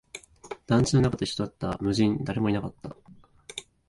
団地の中と一緒だった、無人、誰もいなかった